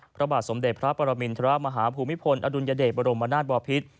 พระบาทสมเด็จพระปรมินทรมาฮภูมิพลอดุลยเดชบรมนาศบอพิษ